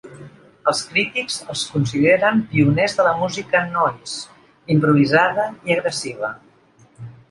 Els crítics els consideren pioners de la música "noise" improvisada i agressiva.